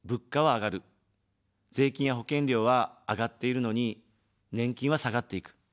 税金や保険料は上がっているのに、年金は下がっていく。